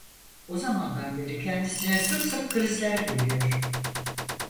O zamandan beri kendisine sık sık krizler geliyor.